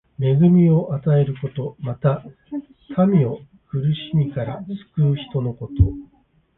恵みを与えること。また、民を苦しみから救う人のこと。